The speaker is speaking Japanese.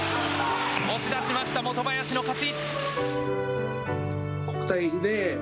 押し出しました、元林の勝ち。